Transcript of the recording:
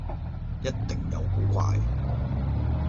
一定有古怪